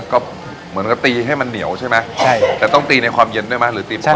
ก็เหมือนกับตีให้มันเหนียวใช่ไหมใช่ครับแต่ต้องตีในความเย็นด้วยไหมหรือตี